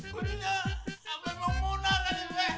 kucingnya sama lo muna tadi be